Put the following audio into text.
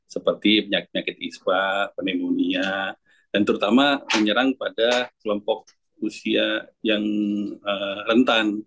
seperti penyakit penyakit ispa pneumonia dan terutama menyerang pada kelompok usia yang rentan